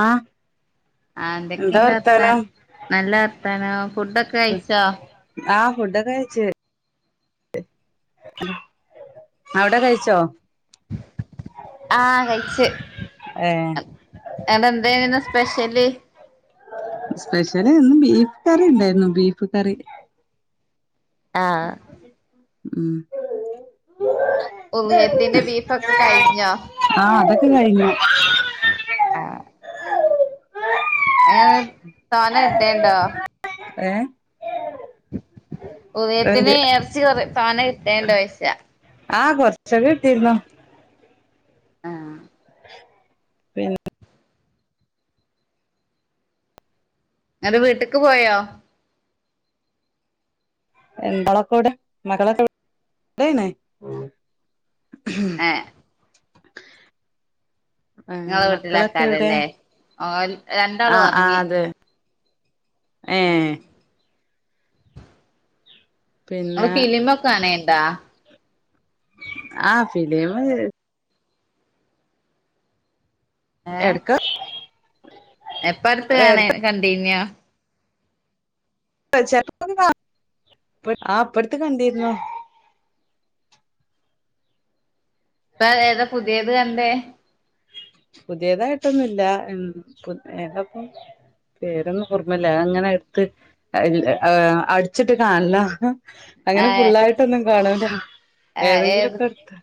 ആ ആ എന്തൊക്കെണ്ട് വത്താൻ നല്ല വർത്താനോ ഫുഡൊക്കെഴിച്ചോ ആഹ് ഫുഡൊക്കെ കഴിച്ച് അവിടെ കഴിച്ചോ ആ കഴിച്ച് ഏഹ് അടെ എന്താരുന്നു സ്പെഷ്യല് സ്പെഷ്യല് ന്ന് ബീഫ് കറി ഇണ്ടായിരുന്നു ബീഫ് കറി ആ ഉം ഒലിയത്തിന്റെ ബീഫൊക്കെ കഴിഞ്ഞോ ആഹ് അതൊക്കെ കഴിഞ്ഞു ആ ഏ താന ട്ടേണ്ടോ ഏ ഓലിയത്തിന് ഇർച്ചികറി തോനെ രണ്ട വയസ ആഹ് കൊറച്ചൊക്കെ കിട്ടിയിരുന്നു ആഹ് പിന്നെ അന്റെ വീട്ടിലേക്ക് പോയോ ഒണ്ട് മക്കളൊക്കെയിവിടെ മക്കളൊക്കെയിവിടെയാണ് ഉം ഏഹ് നിങ്ങളെ വീട്ടിലെ മക്കളൊക്കെ എവിടെ ആൾക്കാരല്ലേ ആഹ് രണ്ടാളും ആഹ് ആഹ് ഉറങ്ങി അതെ ഉം ഏഹ് പിന്നെ നിങ്ങള് ഫിലിമൊക്കെ കാണലുണ്ടോ ആഹ് ഫിലിമ് ഏഹ് എടക്ക് എപ്പ അടുത്ത് കാണ എടുത്ത കണ്ടീന്യോ [unintelligible] ചെലപ്പം കാണും ആഹ് ഇപ്പം അടുത്ത് കണ്ടിരുന്നു ഇപ്പം ഏതാ പുതിയത് കണ്ടേ പുതിയതായിട്ടൊന്നുമില്ല പേരൊന്നും ഓർമയില്ല അങ്ങനെ എടുത്ത് അടിച്ചിട്ട് കാണലാ അങ്ങനെ ആഹ് ഫുള്ളായിട്ടൊന്നും കാണു ആഹ് ആഹ് ഏത് ഏതെങ്കിലുമൊക്കെ എടുത്ത്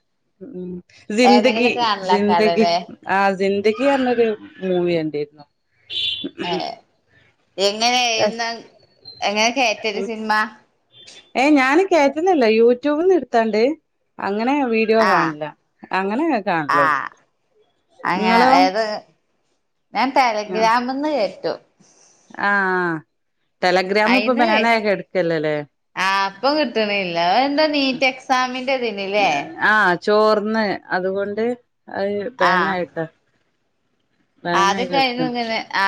ഉം ഉം സിന്ദഗി ഏതെങ്കിലും സിന്ദഗി കാണലാക്കാരല്ലേ ആ സിന്ദഗി അന്നൊരു മൂവി കണ്ടിരുന്നു ഏഹ് എങ്ങനെയാ എന്നാ എങ്ങനെയാ കേറ്റാ ഒരു സിനിമ ഏ ഞാൻ കേറ്റുന്നല്ലാ യൂട്യൂബിന്ന് എടുത്താണ്ട് അങ്ങനെ വീഡിയോ ആഹ് കാണില്ല അങ്ങനെ കാണലള്ളു ആഹ് അങ്ങനെ ഏത് ഞാൻ ആ ടെലഗ്രാമിൽ നിന്ന് കയറ്റും [inaudible] ആഹ് ടെലഗ്രാം ഇപ്പൊ അയിന്ന് ബാനായി കെടക്കല്ലല്ലേ ആഹ് ഇപ്പം കിട്ടണില്ല അതെന്താ നീറ്റ് എക്സാമിന്റെതിന്നല്ലേ ആഹ് ചോർന്ന് അതുകൊണ്ട് അത് ബനായിട്ടാ ആത് കഴിഞ്ഞ ഇങ്ങനെ ആ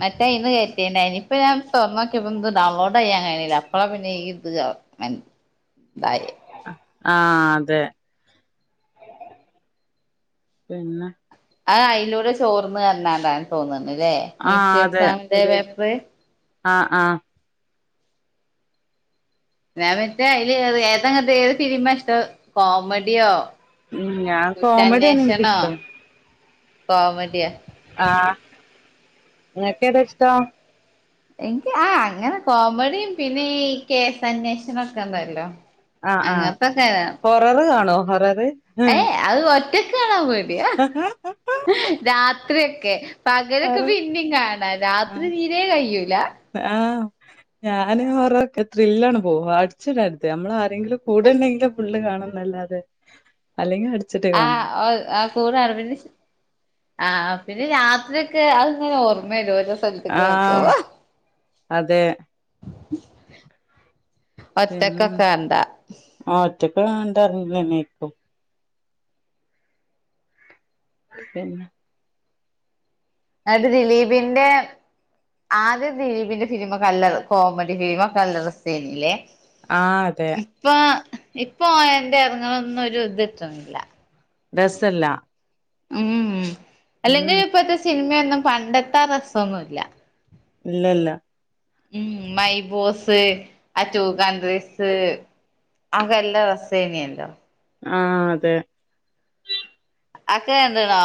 മറ്റേ ഇന്ന് കേറ്റിയേനി ഇപ്പം ഞാൻ തൊറന്നു നോക്കിയപ്പം ഇ ഡൗൺലോഡ് അയ്യാൻ കീ അപ്പള പിന്നെ ഈ ഇത് ഇായ ആ അതെ പിന്നെ ആ അതിലൂടെ ചോർന്ന് തന്നണ്ടൻ തോന്നുന്നു ഇന്നലെ നീറ്റ് എക്സാമിന്റെ പേപ്പ വേ ആ ആ ഞാൻ മറ്റേ അതില് ഏതെങ്ങനത്തെ ഏത് സിനിമ ഇഷ്ടം കോമഡിയോ ഉം ഞാൻ കോമഡിയാണ് കുറ്റാന്വേഷണോ എനിക്കിഷ്ടം കോമഡിയോ ആ നിനക്കേതാ ഇഷ്ടം എനിക്ക് ആ അങ്ങനെ കോമഡിയും പിന്നെ ഈ കേസ് അന്വേഷണ ഒക്കെ ഉണ്ടല്ലോ ആ ആ അങ്ങനത്തൊക്കെ കൊററ് കാണുവോ ഹററ് ഏ ആത് ഒ ചെസ്സ് കാണാൻ പോയി വ്യാ രാ എത്ര ഒക്കെ പകലൊക്കെ ഹൊറർ പിന്നെയും കാണാം രാത്രി നീരെ കഴിയൂല ആഹ് ഞാന് ഓര ത്രില്ലാണ് പോവ അടിച്ചിടുത്ത് നമ്മൾ ആരെങ്കിലും കൂടെണ്ടെങ്കിലിൽ ഫുള്ള് കാണുന്നല്ലാതെ അല്ലെങ്കിൽ അടു ആ ആ കൂറായാണ് പിന്നെ ആ പിന്നെ രാത്രി ര അത് ങ്ങനെ ഓർമ്മ വരുവ ഓരോ സ്ഥലത്തേക്ക് നോക്കുമ്പോ ആഹ് അതെ ഒറ്റക്കൊക്ക എന്താ ഒറ്റക്കുള്ള അന് തന്നെ ഇക്കും പിന്നെ എന്നട്ട് ദിലീപിന്റെ ആദ്യ ദിലീപിന്റെ ഫിലിമ കല്ലർ കോമഡി ഫിലിമ കല്ലറ സിനില്ലേ ആ അതെ ഇപ്പോ ആ എന്റെ എറങ്ങളൊന്നും ഒരു ഇതിട്ടന്നില്ല രസയില്ല ഉം അല്ലെങ്കിൽ ഇപ്പഴത്തെ സിനിമ ഒന്നും പണ്ടത്തൊ രസം ഒന്നുയില്ല ഇല്ല ഇല്ല ഉം മൈ ബോസ് ആ ടു കൺട്രീസ് ആകെല്ലാ റസേനിയല്ലോ ആഹ അതെ അക്ക കണ്ട് ണോ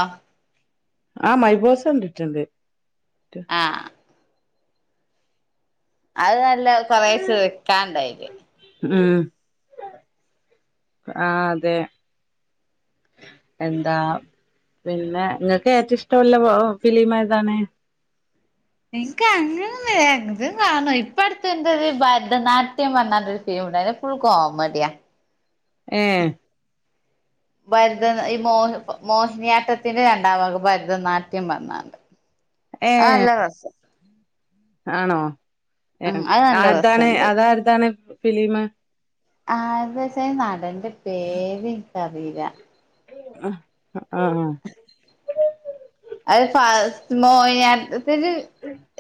ആഹ മൈബോസ്‌ കണ്ടിട്ടുണ്ട് ആ അത് നല്ല കൊറേ ചിരിക്കാണ്ടയില് ഉം ആ അതെ എന്താ പിന്നെ നിങ്ങൾക്ക് ഏറ്റം ഇഷ്ടവുള്ള ഫിലിം ഏതാണ് നിക്ക് അങ്ങനൊന്നുല എന്തുംകാണും ഇപ്പ അടുത്ത എന്തത് ഭരതനാട്യം പറഞ്ഞാരു ഫിലിമുണ്ടാരുന്നു ഫുൾ കോമഡിയാ ഏ ഭരതനാ ഈ മോഹ് മോഹിനിയാട്ടത്തിന്റെ രണ്ടാം ഭാഗം ഭരതനാട്യം പറഞ്ഞാണ്ട് ആ ഏഹ് ല്ല രസ.. ആണോ എ ഉം അത് നല്ല ആര്താണ് രസണ്ട് അതാര്താണ് ഫിലിമ് ആരത വച്ച നടന്റെ പേര് ഇനിക്കറീല അ അയ് ഫാസ് [unintelligible] [inaudible]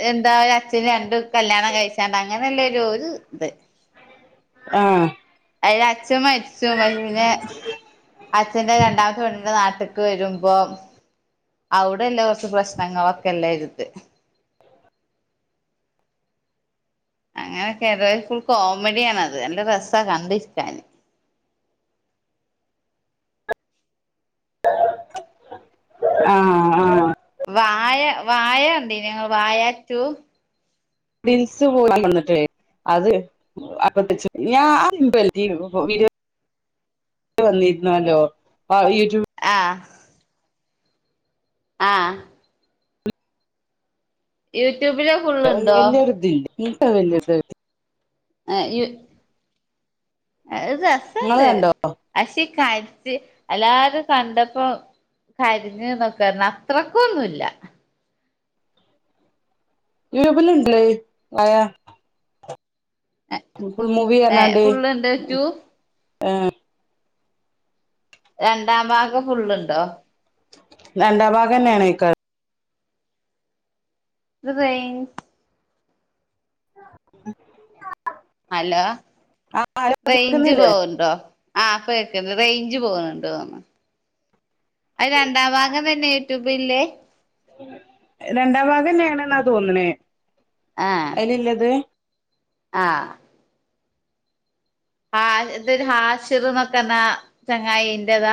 എന്ത പിന്നെ രണ്ട് കല്യാണം കഴിച്ചാണ്ട് അങ്ങനെയല്ലരു ഒരു ഇത് ആഹ് [unintelligible] അച്ഛൻ മരിച്ചു [unintelligible] അച്ഛന്റെ രണ്ടാമത്തെ പെണ്ണിന്റെ നാട്ടി വരുമ്പോ അവിടെല്ല കുറച്ച് പ്രശ്നങ്ങളൊക്കെല്ല ഇരുത് അങ്ങനെയൊക്കെ ഫുൾ കോമഡിയണത് നല്ല രസാ കണ്ടിരിക്കാന് ആ ആ വായ വായ കണ്ട് ഇങ്ങൾ വായാ റ്റു [inaudible] [unintelligible] വന്നിരുന്നല്ലോ ആ യൂട്യൂബ്.. ആ ആഹ് യു ട്യൂബില് ഫുള്ള് ഉണ്ടോ [unintelligible] ഏ യു അത് ഇങ്ങള് രസണ്ട് കണ്ടോ [unintelligible] [unintelligible] എല്ലാരും കണ്ടപ്പോ കരഞ്ഞുന്നൊക്കാരുന്നു അത്രക്കു ഒന്നുല്ല യൂട്യൂബില് ഇണ്ടല്ലോ ഈ വായ [unintelligible] ഏഹ് മൂവിപറഞ്ഞാണ്ട് ഫുള്ളുണ്ട് ടു ഏ രണ്ടാം ഭാഗം ഫുള്ളുണ്ടോ രണ്ടാം ഭാഗന്നെയണേക്കാൾ.. [unintelligible] ഹലോ? ആഹ് ഹലോ റേയ്ഞ്ച് കേക്കുന്നില്ലേ പോവണ്ടോ ആ പ്പ കെ റേയ്ഞ്ച് പോവുന്നുണ്ടോന്ന്? അത് രണ്ടാം ഭാഗം തന്നെ യൂട്യൂബിലില്ലേ? കണ്ടന്നാ തോന്നണേ. അയിലില്ലത്? ആ ആ എന്തൊരു ഹാഷിർന്നൊക്കറഞ്ഞ ചങ്ങായിന്റെത?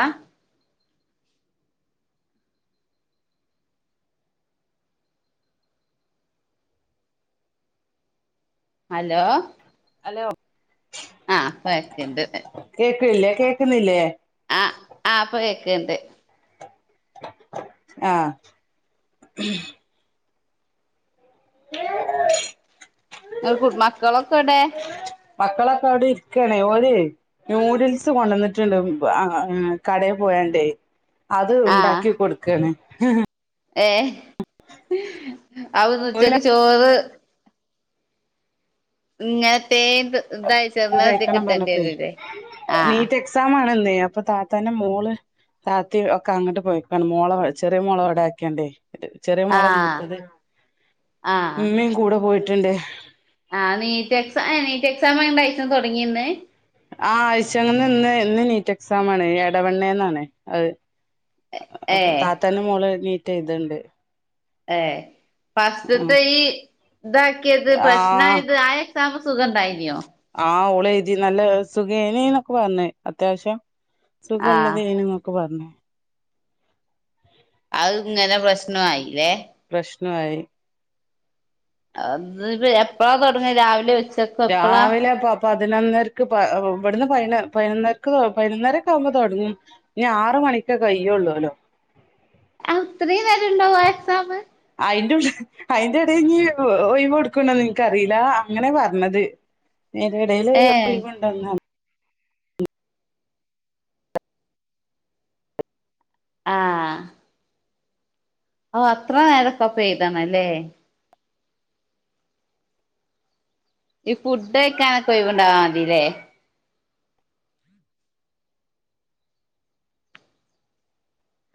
ഹലോ? അലോ? ആ പ്പ കേക്ക്‌ണ്ട്ടെ. ല്ലേ കേക്ക്‌ന്നില്ലേ? ആ ആപ്പ കേക്കണ്ട്. ആ ഇങ് കു മക്കളൊക്കെടെ? മക്കളൊക്കെ അവിടെ ഇരിക്കണേ ഓരേ ന്യൂഡിൽസ് കൊണ്ടന്നിട്ടുണ്ട് അ കടയിൽ പോയണ്ടെ. അത് ഉണ്ടാക്കി കൊടുക്കാണ്. [unintelligible] ഏ അവന്ന് ഉച്ചക്ക് ചോറ് ഇന്നൽത്തെ ദയച്ചെന്ന കഴിക്കണം പറഞ്ഞപ്പേ ദിക്കട്ടേണ്ടിവരൂലേ ആ ന്നെ അപ്പ താത്തന്റെ മോള് താത്ത ഒക്കെ അങ്ങോട്ട് പോയിക്കാണ് മോളെ ചെറിയ മോളെ ഇവിട ആക്കിയാണ്ടേ. ചെറിയ മോളെ ആഹ് മൂത്തത് ഉമ്മേം കൂടെ പോയിട്ട് ട്ട് ണ്ട് ആ നീറ്റ് എക്സാം ഏ നീറ്റ് എക്സാം [unintelligible] തൊടങ്ങിന്ന് ആ ആഴച്ചങ്ങന്ന് ഇന്ന് ഇന്ന് നീറ്റ് എക്സാം ആണ് എടവണ്ണേന്നാണ് അത്. ഏ പ്പ താത്തന്റെന്റെ മോളെടെ നീ ചെയ്ത്ണ്ട്. ഏ ഫസ്റ്റുതെയ് ഇതാക്കിയത് ആ ആ പ്രശ്നായത് ആ എക്സാം സുഖണ്ടായിനോ? തി നല്ല സുഖയ്നി ന്നൊക്കെ പറഞ്ഞ് അത്യാവിശ്യം സുഖല്ല ആഹ് തയ്നി നൊക്കെ പറഞ്ഞ്. അത് ഇങ്ങനെ പ്രശ്നോയില്ലേ? പ്രശ്നായി. [unintelligible] [unintelligible] എപ്പളാ തൊടങ്ങാ രാവിലെ ഉച്ചക്കൊ എപ്പളാ? രാവിലെ പ പതിനൊന്നരക്ക് പ ഇവിടുന്ന് പ പതിനൊന്നരക്ക് പതിനൊന്നരക്കെ ആവുമ്പോ തൊടങ്ങീ ഇനി ആറ് മണിക്കെ കയ്യള്ളൂല്ലോ ആത്രയും നേരം ഉണ്ടാവോ എക്സാമ് അയിന്റു അയിന്റെ എടെ ഇനി ഒഴിവ് കൊടുക്കണ്ടൊന്ന് എനിക്കറിയില്ല അങ്ങന പറഞ്ഞത് നേന്റെ ഇടയില് ഏ ഒഴിവാണ്ടോന്ന്‌ [unintelligible] ആ ഓ അത്ര നേരക്കപ്പ എയുതണല്ലേ ഈ ഫുഡ്കയിക്കാനൊക്ക ഒയിവണ്ടാവാ മതില്ലേ-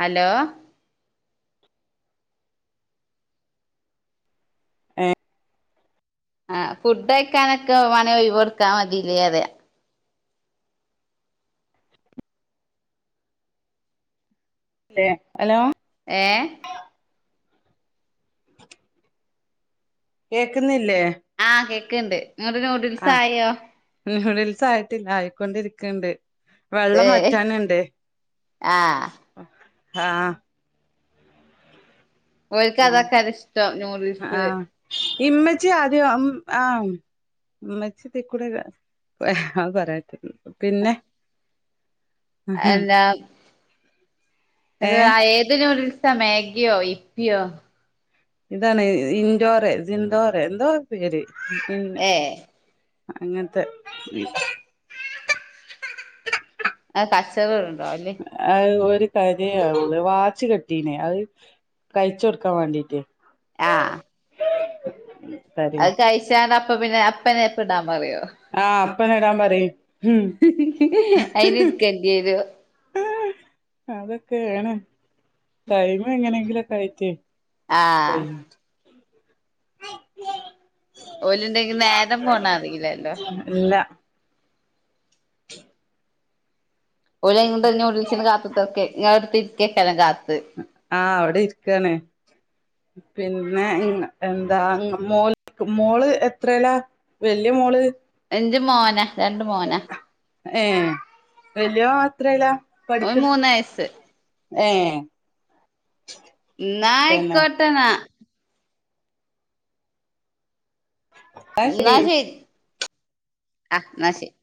ഹലോ ഏ ആഹ് ഫുഡയിക്കാനൊക്കെ വാണ ഒയിവ് കൊടുക്കാൻ മതില്ലേ അതെ തേ ഏഹ് കേക്കുന്നില്ലേ കേക്കണ്ട് നിങ്ങടെ നൂഡിൽസ് ആയോ ഇല്ല ആയിക്കൊണ്ടിരിക്കണ്ട് വെള്ളം ഏഹ് വറ്റാനുണ്ട് ആഹ് ആങ്‌ഹ് ഓൽക്ക് പിന്നെ അതാക്കാന ഇഷ്ടം നൂഡിൽസ് ആഹ് ഇമ്മച്ചി ആദ്യം അം ആ ഉമ്മച്ചിതിക്കൂടെ പറയാത്തൊള്ള് പിന്നെ എന്താ അത് ഏഹ് ഏതി നൂഡിൽസ്- [unintelligible] മാഗിയോ ഇപ്പിയോ ഇതാണ് ഇഞ്ചോരെ സിന്തോരെ എന്തവോ പേര് ന്ന ഏഹ് അങ്ങനത്തെ ഉം ആ കച്ചകൾ ഉണ്ടാവില്ലേ കരയാ അവള് വാച്ച് കെട്ടീനേ അത് കഴിച്ച് കൊടുക്കാൻ വേണ്ടീട്ട് ആ കരയും അത് കഴിച്ചേ അപ്പ പിന്നെ അപ്പന എപ്പടാൻ പറയോ ആ അപ്പനിടാൻ പറയും ഉം അയിനിക്കണ്ടിരോ അതൊക്കെണ് കഴിഞ്ഞു എങ്ങനെങ്കിലൊ [unintelligible] ആ ഓല്ണ്ടെങ്കിൽ നേരം പോണത് അറിയിലല്ലോ ഇല്ല ഓലയിന്ണ്ട് ന്യൂഡിൽസിന് കാത്തുത്ത്ർക്കെയി ഇങ്ങളെ ടെത്തി ക്കെ [unintelligible] ആഹ് അവിടിരിക്കാണ് പിന്നെ എന്താ മോള് മോള് എത്ര ല വെല്യ മോള് ന്റെ മോന രണ്ട് മോനാ എ വെല്ല്യാന് എത്രല ഓന് മൂന്നയസ് ഏ തന്നെ നായ്ക്കോട്ടെന്ന ന്നാ ശരി അ ന്നാ ശരി